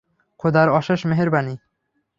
খোদার অশেষ মেহেরবানি।